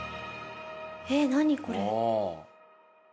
えっ何これ。